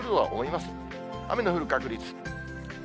雨の降る確率。